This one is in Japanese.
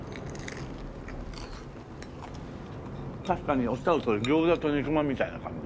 確かにおっしゃるとおり餃子と肉まんみたいな感じだ。